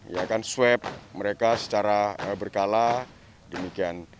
ya kan swab mereka secara berkala demikian